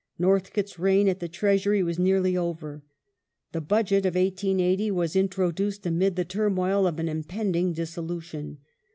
Northcote' s reign at the Treas ury was nearly over. The Budget of 1880 was introduced amid the turmoil of an impending dissolution.